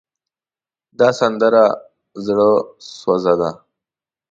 دا سندره زړوسوزه ده.